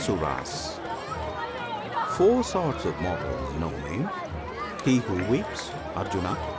[FN#12] Four sorts of mortals know me: he who weeps, Arjuna!